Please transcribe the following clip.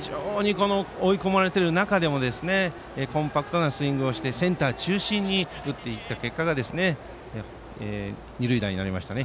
追い込まれた中でもコンパクトなスイングでセンター中心に打っていった結果が二塁打になりましたね。